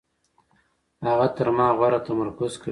هغه تر ما غوره تمرکز کوي.